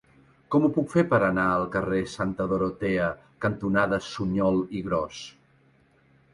Com ho puc fer per anar al carrer Santa Dorotea cantonada Suñol i Gros?